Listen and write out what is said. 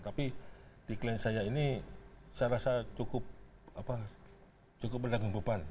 tapi di klien saya ini saya rasa cukup berdagang beban